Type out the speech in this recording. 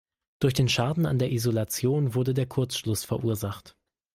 Durch den Schaden an der Isolation wurde der Kurzschluss verursacht.